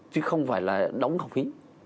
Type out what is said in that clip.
chứ không phải là đóng học phí